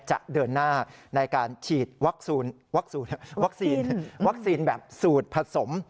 จะเดินหน้าในการฉีดวัคซีนวัคซีนแบบสูตรผสม